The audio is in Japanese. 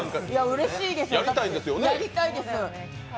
うれしいですよ、やりたいです。